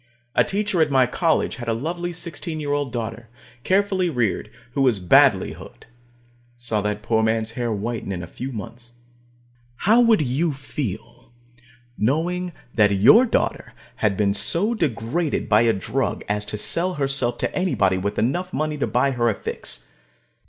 A teacher at my college had a lovely sixteen year old daughter, carefully reared, who was badly hooked. I saw that poor man's hair whiten in a few months. How would you feel, knowing that your daughter had been so degraded by a drug as to sell herself to anybody with enough money to buy her a fix?